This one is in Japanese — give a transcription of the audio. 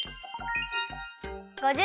５０